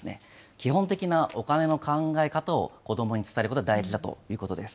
基本的なお金の考え方を子どもに伝えることが大事だということです。